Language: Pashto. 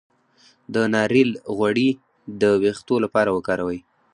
د ناریل غوړي د ویښتو لپاره وکاروئ